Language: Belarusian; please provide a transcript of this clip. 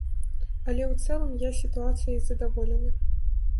Але ў цэлым я сітуацыяй задаволены.